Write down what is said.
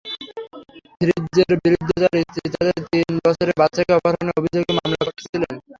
ফ্রিৎজের বিরুদ্ধে তাঁর স্ত্রী তাঁদের তিন বছরের বাচ্চাকে অপহরণের অভিযোগে মামলা করেছিলেন।